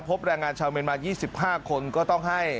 แรงงานชาวเมียนมา๒๕คนก็ต้องให้